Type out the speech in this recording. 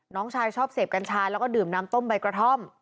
น้องชายชอบเสพกัญชาแล้วก็ดื่มน้ำต้มใบกระท่อม